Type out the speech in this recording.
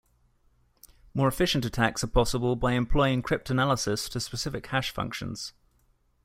More efficient attacks are possible by employing cryptanalysis to specific hash functions.